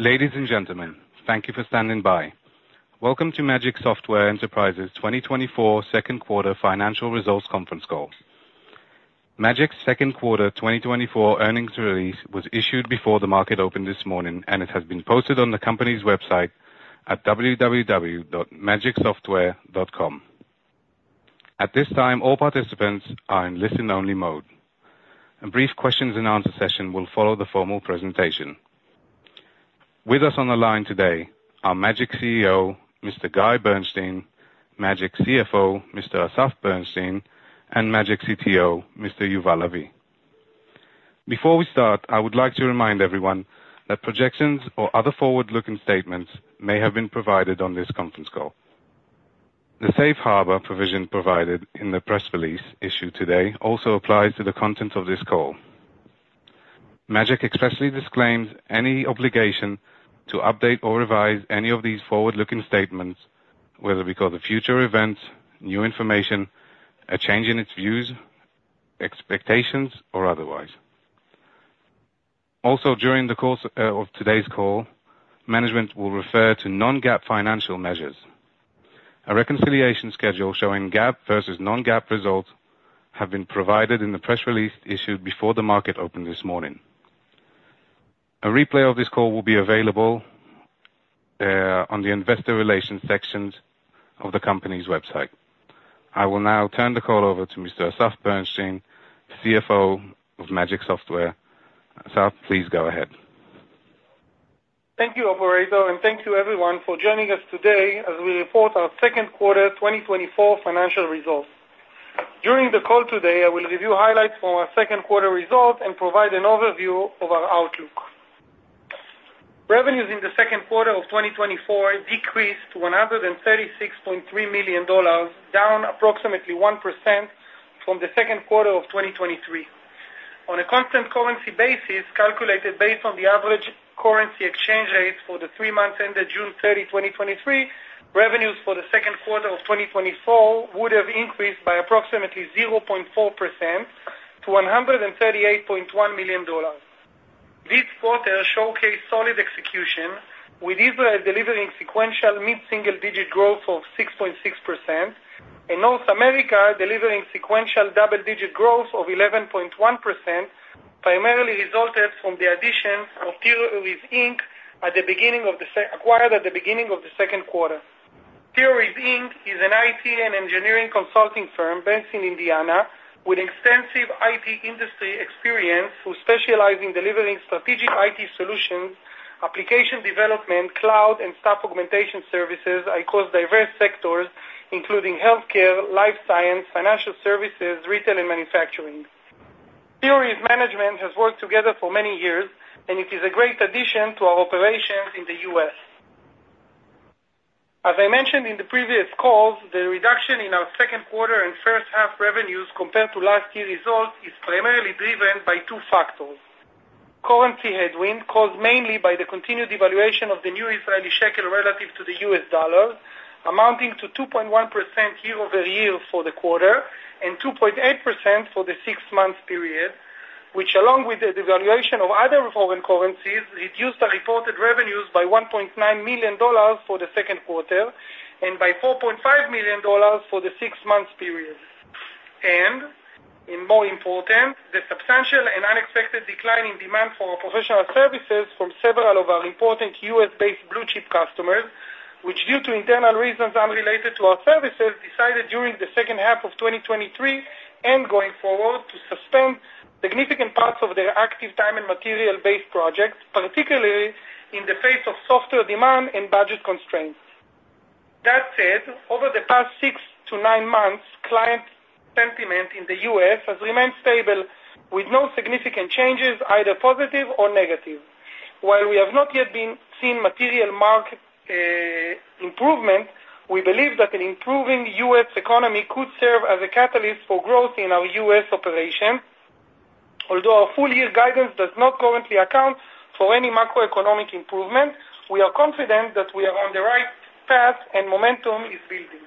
Ladies and gentlemen, thank you for standing by. Welcome to Magic Software Enterprises 2024 Q2 Financial Results Conference Call. Magic's Q2 2024 earnings release was issued before the market opened this morning, and it has been posted on the company's website at www.magicsoftware.com. At this time, all participants are in listen-only mode. A brief question and answer session will follow the formal presentation. With us on the line today are Magic CEO, Mr. Guy Bernstein, Magic CFO, Mr. Asaf Berenstin, and Magic CTO, Mr. Yuval Lavi. Before we start, I would like to remind everyone that projections or other forward-looking statements may have been provided on this conference call. The Safe Harbor provision provided in the press release issued today also applies to the content of this call. Magic expressly disclaims any obligation to update or revise any of these forward-looking statements, whether because of future events, new information, a change in its views, expectations, or otherwise. Also, during the course of today's call, management will refer to non-GAAP financial measures. A reconciliation schedule showing GAAP versus non-GAAP results have been provided in the press release issued before the market opened this morning. A replay of this call will be available on the investor relations sections of the company's website. I will now turn the call over to Mr. Asaf Berenstin, CFO of Magic Software. Asaf, please go ahead. Thank you, operator, and thank you everyone for joining us today as we report our Q2 2024 financial results. During the call today, I will give you highlights for our Q2 results and provide an overview of our outlook. Revenues in the Q2 of 2024 decreased to $136.3 million, down approximately 1% from the Q2 of 2023. On a constant currency basis, calculated based on the average currency exchange rates for the three months ended June 30, 2023, revenues for the Q2 of 2024 would have increased by approximately 0.4% to $138.1 million. This quarter showcased solid execution, with Israel delivering sequential mid-single-digit growth of 6.6%, and North America delivering sequential double-digit growth of 11.1%, primarily resulted from the addition of Theoris, Inc., acquired at the beginning of the Q2. Theoris, Inc. is an IT and engineering consulting firm based in Indiana with extensive IT industry experience, who specialize in delivering strategic IT solutions, application development, cloud and staff augmentation services across diverse sectors including healthcare, life science, financial services, retail and manufacturing. Theoris management has worked together for many years, and it is a great addition to our operations in the U.S. As I mentioned in the previous calls, the reduction in our Q2 and first half revenues compared to last year's results is primarily driven by two factors. Currency headwind, caused mainly by the continued devaluation of the new Israeli shekel relative to the U.S. dollar, amounting to 2.1% year-over-year for the quarter and 2.8% for the six-month period, which, along with the devaluation of other foreign currencies, reduced our reported revenues by $1.9 million for the Q2 and by $4.5 million for the six-month period. And more important, the substantial and unexpected decline in demand for our professional services from several of our important U.S.-based blue-chip customers, which, due to internal reasons unrelated to our services, decided during the second half of 2023 and going forward, to suspend significant parts of their active time and material-based projects, particularly in the face of softer demand and budget constraints. That said, over the past 6-9 months, client sentiment in the US has remained stable, with no significant changes, either positive or negative. While we have not yet been seen material market improvement, we believe that an improving US economy could serve as a catalyst for growth in our US operation. Although our full year guidance does not currently account for any macroeconomic improvement, we are confident that we are on the right path and momentum is building.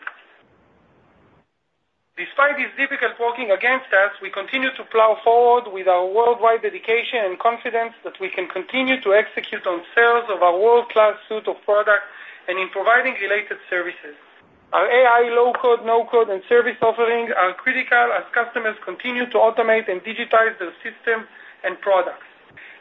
Despite these difficulties working against us, we continue to plow forward with our worldwide dedication and confidence that we can continue to execute on sales of our world-class suite of products and in providing related services. Our AI, low-code, no-code and service offerings are critical as customers continue to automate and digitize their systems and products.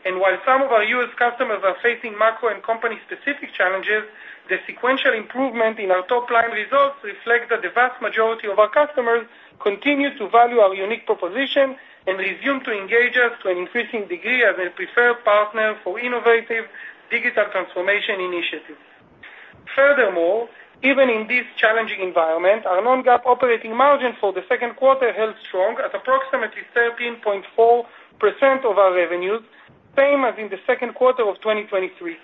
While some of our U.S. customers are facing macro and company-specific challenges, the sequential improvement in our top-line results reflect that the vast majority of our customers continue to value our unique proposition and resume to engage us to an increasing degree as a preferred partner for innovative digital transformation initiatives. Furthermore, even in this challenging environment, our non-GAAP operating margin for the Q2 held strong at approximately 13.4% of our revenues, same as in the Q2 of 2023.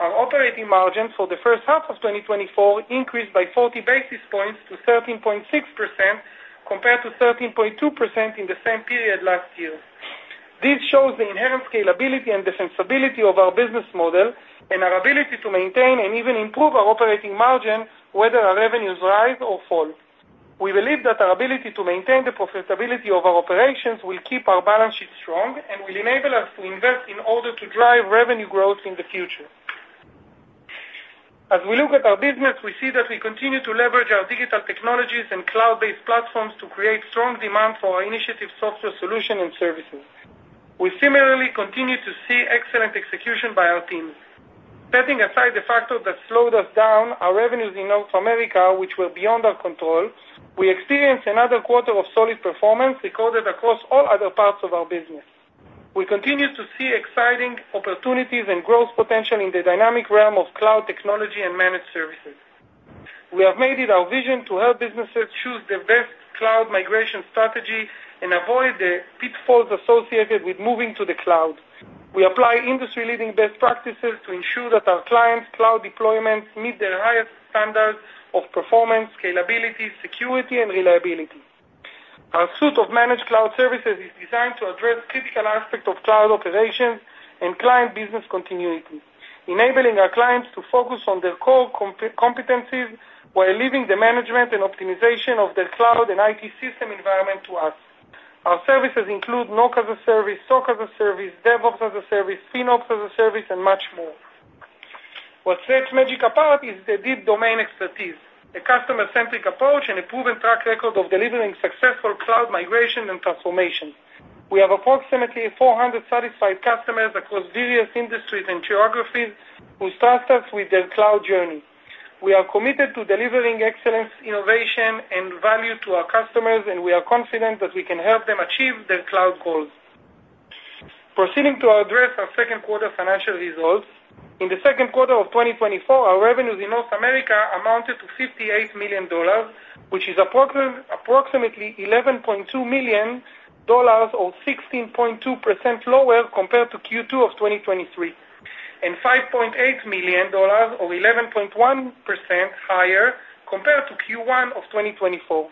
Our operating margin for the first half of 2024 increased by 40 basis points to 13.6%, compared to 13.2% in the same period last year. This shows the inherent scalability and the sensibility of our business model and our ability to maintain and even improve our operating margin, whether our revenues rise or fall. We believe that our ability to maintain the profitability of our operations will keep our balance sheet strong and will enable us to invest in order to drive revenue growth in the future. As we look at our business, we see that we continue to leverage our digital technologies and cloud-based platforms to create strong demand for our initiative, software solutions, and services. We similarly continue to see excellent execution by our teams. Setting aside the factors that slowed us down, our revenues in North America, which were beyond our control, we experienced another quarter of solid performance recorded across all other parts of our business. We continue to see exciting opportunities and growth potential in the dynamic realm of cloud technology and managed services. We have made it our vision to help businesses choose the best cloud migration strategy and avoid the pitfalls associated with moving to the cloud. We apply industry-leading best practices to ensure that our clients' cloud deployments meet their highest standards of performance, scalability, security, and reliability. Our suite of managed cloud services is designed to address critical aspects of cloud operations and client business continuity, enabling our clients to focus on their core competencies, while leaving the management and optimization of their cloud and IT system environment to us. Our services include NOC as a Service, SOC as a Service, DevOps as a Service, FinOps as a Service, and much more. What sets Magic apart is the deep domain expertise, a customer-centric approach, and a proven track record of delivering successful cloud migration and transformation. We have approximately 400 satisfied customers across various industries and geographies who trust us with their cloud journey. We are committed to delivering excellence, innovation, and value to our customers, and we are confident that we can help them achieve their cloud goals. Proceeding to address our Q2 financial results. In the Q2 of 2024, our revenues in North America amounted to $58 million, which is approximately $11.2 million or 16.2% lower compared to Q2 of 2023, and $5.8 million or 11.1% higher compared to Q1 of 2024.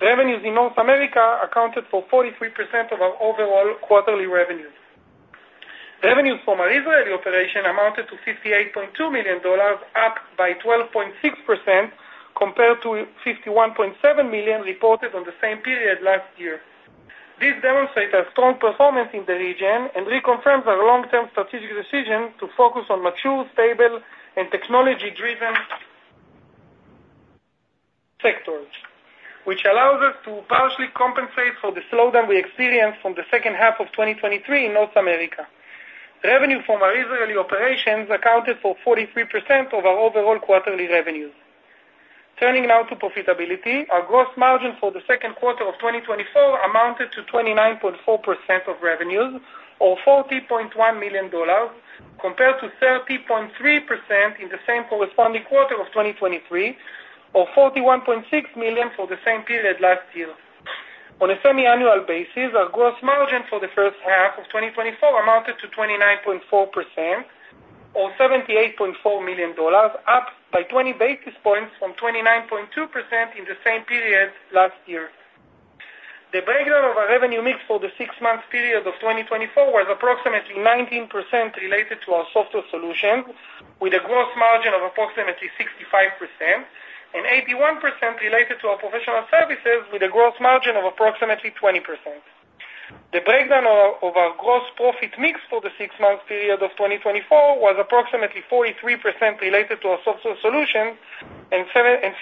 Revenues in North America accounted for 43% of our overall quarterly revenues. Revenues from our Israeli operation amounted to $58.2 million, up by 12.6% compared to $51.7 million reported on the same period last year. This demonstrates a strong performance in the region and reconfirms our long-term strategic decision to focus on mature, stable, and technology-driven sectors, which allows us to partially compensate for the slowdown we experienced from the second half of 2023 in North America. Revenue from our Israeli operations accounted for 43% of our overall quarterly revenues. Turning now to profitability. Our gross margin for the Q2 of 2024 amounted to 29.4% of revenues, or $40.1 million, compared to 30.3% in the same corresponding quarter of 2023, or $41.6 million for the same period last year. On a semi-annual basis, our gross margin for the first half of 2024 amounted to 29.4%, or $78.4 million, up by 20 basis points from 29.2% in the same period last year. The breakdown of our revenue mix for the six-month period of 2024 was approximately 19% related to our software solutions, with a gross margin of approximately 65%, and 81% related to our professional services, with a gross margin of approximately 20%. The breakdown of our gross profit mix for the six-month period of 2024 was approximately 43% related to our software solutions and 57%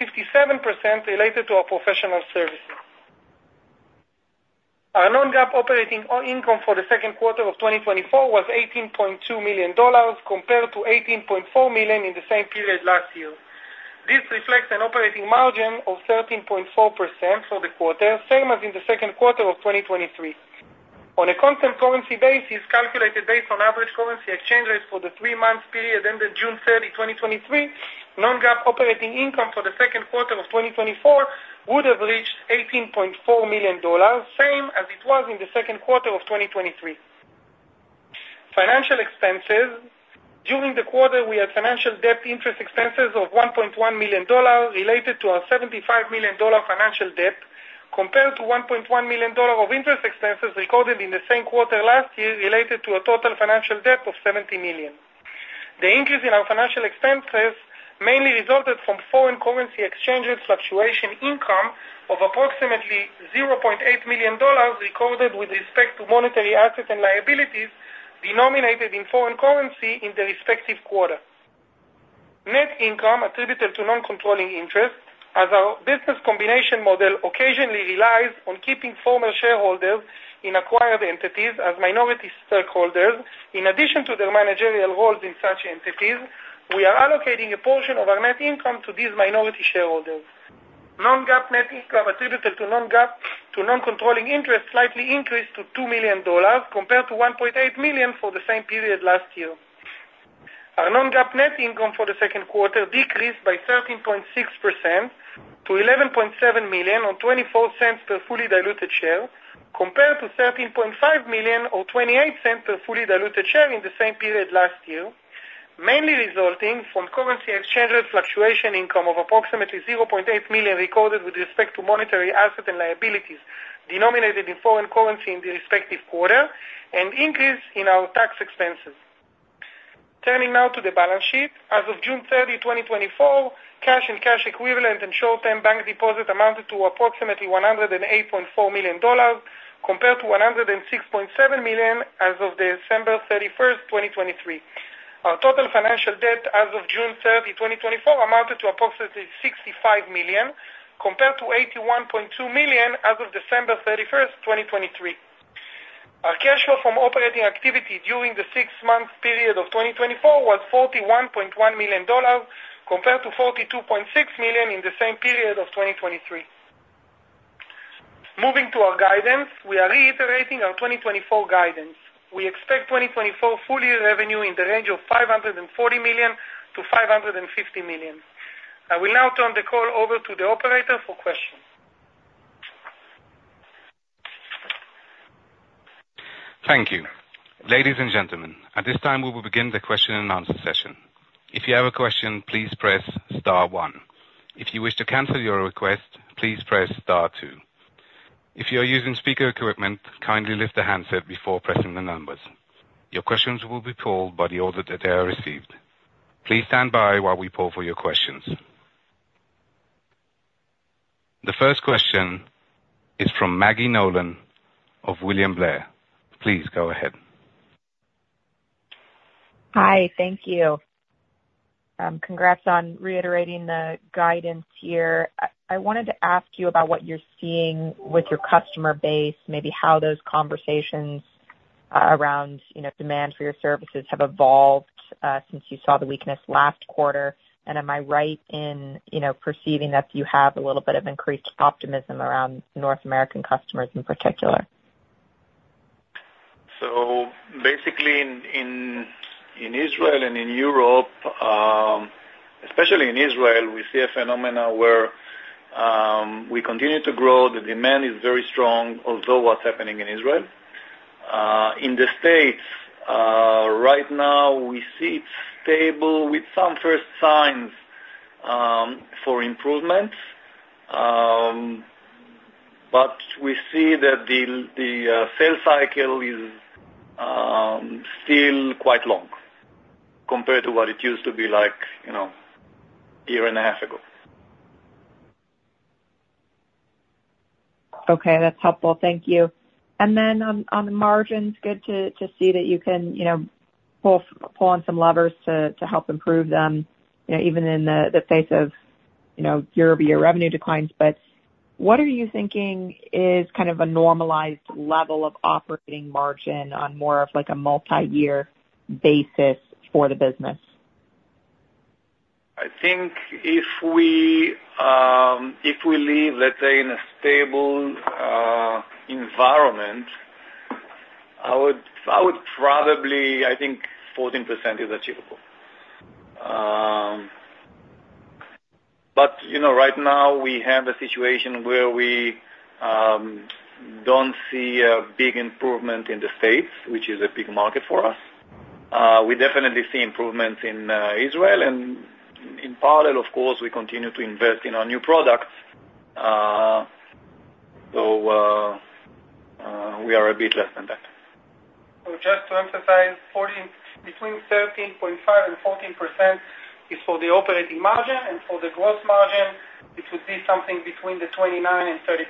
related to our professional services. Our non-GAAP operating income for the Q2 of 2024 was $18.2 million, compared to $18.4 million in the same period last year. This reflects an operating margin of 13.4% for the quarter, same as in the Q2 of 2023. On a constant currency basis, calculated based on average currency exchange rates for the three-month period ended June 30, 2023, non-GAAP operating income for the Q2 of 2024 would have reached $18.4 million, same as it was in the Q2 of 2023. Financial expenses. During the quarter, we had financial debt interest expenses of $1.1 million related to our $75 million financial debt, compared to $1.1 million of interest expenses recorded in the same quarter last year, related to a total financial debt of $70 million. The increase in our financial expenses mainly resulted from foreign currency exchanges, fluctuation income of approximately $0.8 million, recorded with respect to monetary assets and liabilities denominated in foreign currency in the respective quarters. Net income attributed to non-controlling interests. As our business combination model occasionally relies on keeping former shareholders in acquired entities as minority stakeholders, in addition to their managerial roles in such entities, we are allocating a portion of our net income to these minority shareholders. Non-GAAP net income attributable to non-controlling interests slightly increased to $2 million, compared to $1.8 million for the same period last year. Our non-GAAP net income for the Q2 decreased by 13.6% to $11.7 million, or $0.24 per fully diluted share, compared to $13.5 million or $0.28 per fully diluted share in the same period last year, mainly resulting from currency exchange rate fluctuation income of approximately $0.8 million, recorded with respect to monetary assets and liabilities denominated in foreign currency in the respective quarter, and increase in our tax expenses. Turning now to the balance sheet. As of June 30, 2024, cash and cash equivalent and short-term bank deposit amounted to approximately $108.4 million, compared to $106.7 million as of December 31, 2023. Our total financial debt as of June 30, 2024, amounted to approximately $65 million, compared to $81.2 million as of December 31, 2023. Our cash flow from operating activity during the six-month period of 2024 was $41.1 million, compared to $42.6 million in the same period of 2023. Moving to our guidance, we are reiterating our 2024 guidance. We expect 2024 full year revenue in the range of $540 million-$550 million. I will now turn the call over to the operator for questions. Thank you. Ladies and gentlemen, at this time, we will begin the question and answer session. If you have a question, please press star one. If you wish to cancel your request, please press star two. If you are using speaker equipment, kindly lift the handset before pressing the numbers. Your questions will be pulled by the order that they are received. Please stand by while we pull for your questions. The first question is from Maggie Nolan of William Blair. Please go ahead. Hi, thank you. Congrats on reiterating the guidance here. I wanted to ask you about what you're seeing with your customer base, maybe how those conversations around, you know, demand for your services have evolved since you saw the weakness last quarter. Am I right in, you know, perceiving that you have a little bit of increased optimism around North American customers in particular? So basically, in Israel and in Europe, especially in Israel, we see a phenomenon where we continue to grow. The demand is very strong, although what's happening in Israel. In the States, right now, we see it's stable with some first signs for improvement, but we see that the sales cycle is still quite long compared to what it used to be like, you know, a year and a half ago. Okay, that's helpful. Thank you. And then on the margins, good to see that you can, you know, pull on some levers to help improve them, you know, even in the face of, you know, year-over-year revenue declines. But what are you thinking is kind of a normalized level of operating margin on more of, like, a multi-year basis for the business? I think if we live, let's say, in a stable environment, I would probably... I think 14% is achievable. But, you know, right now, we have a situation where we don't see a big improvement in the States, which is a big market for us. We definitely see improvements in Israel, and in parallel, of course, we continue to invest in our new products. So, we are a bit less than that. So just to emphasize, 14, between 13.5% and 14% is for the operating margin, and for the gross margin, it would be something between the 29% and 30%.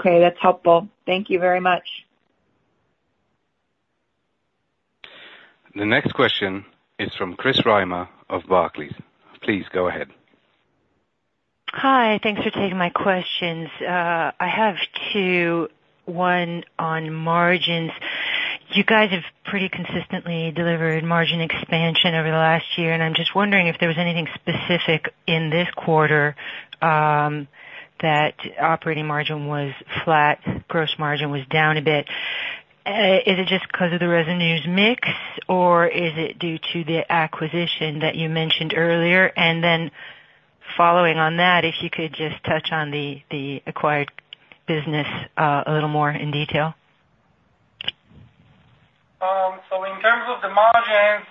Okay, that's helpful. Thank you very much. The next question is from Chris Reimer of Barclays. Please go ahead. Hi, thanks for taking my questions. I have two, one on margins. You guys have pretty consistently delivered margin expansion over the last year, and I'm just wondering if there was anything specific in this quarter, that operating margin was flat, gross margin was down a bit. Is it just because of the revenues mix, or is it due to the acquisition that you mentioned earlier? And then following on that, if you could just touch on the, the acquired business, a little more in detail. So in terms of the margins,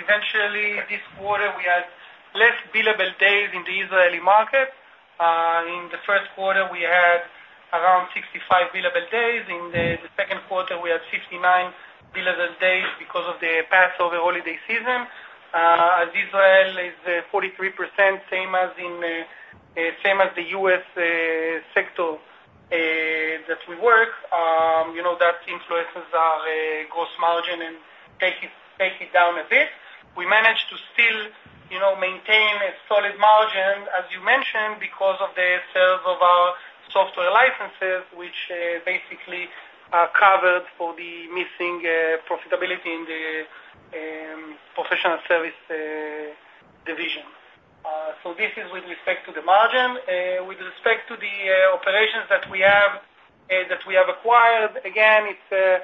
eventually this quarter, we had less billable days in the Israeli market. In the Q1, we had around 65 billable days. In the Q2, we had 59 billable days because of the Passover holiday season. As Israel is 43%, same as in, same as the U.S., sector, that we work, you know, that influences our gross margin and take it, take it down a bit. We managed to still, you know, maintain a solid margin, as you mentioned, because of the sales of our software licenses, which basically are covered for the missing profitability in the professional service division. So this is with respect to the margin. With respect to the operations that we have acquired, again, it's a,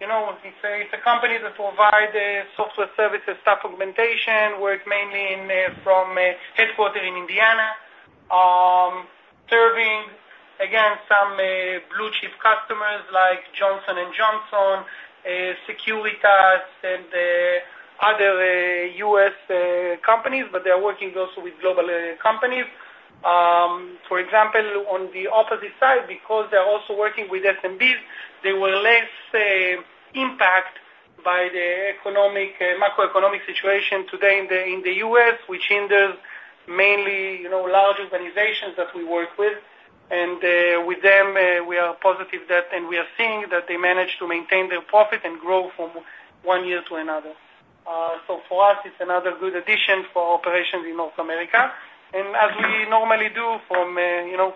you know, it's a company that provide software services, staff augmentation, work mainly from headquartered in Indiana. Serving, again, some blue-chip customers like Johnson & Johnson, Securitas, and other U.S. companies, but they are working also with global companies. For example, on the opposite side, because they are also working with SMBs, they were less impacted by the economic macroeconomic situation today in the U.S., which hinders mainly, you know, large organizations that we work with. With them, we are positive that, and we are seeing that they manage to maintain their profit and grow from one year to another. So for us, it's another good addition for operations in North America. As we normally do from, you know,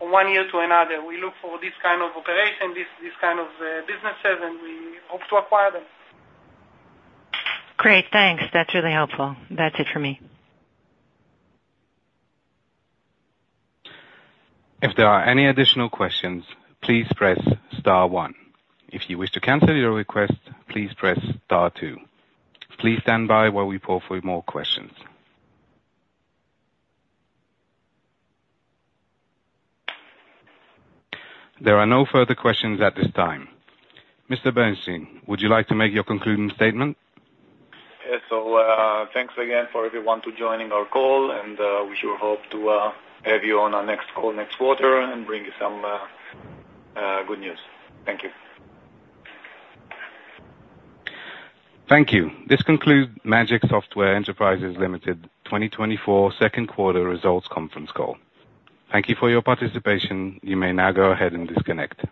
one year to another, we look for this kind of operation, this kind of businesses, and we hope to acquire them. Great, thanks. That's really helpful. That's it for me. If there are any additional questions, please press star one. If you wish to cancel your request, please press star two. Please stand by while we pull for more questions. There are no further questions at this time. Mr. Bernstein, would you like to make your concluding statement? Yeah. So, thanks again for everyone to joining our call, and we sure hope to have you on our next call next quarter and bring you some good news. Thank you. Thank you. This concludes Magic Software Enterprises Limited 2024 Q2 results conference call. Thank you for your participation. You may now go ahead and disconnect.